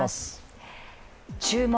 「注目！